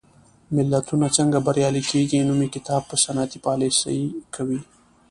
ملتونه څنګه بریالي کېږي؟ نومي کتاب په صنعتي پالېسۍ کوي.